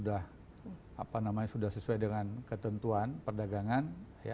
apa namanya sudah sesuai dengan ketentuan perdagangan